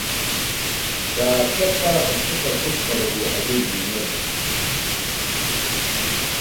Дааԥса-дкараха дшыҟаз усҟаноуп еиҳагьы ианинырыз.